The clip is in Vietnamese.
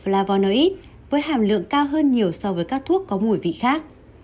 là vò nối ít với hàm lượng cao hơn nhiều so với các thuốc có mùi vị khác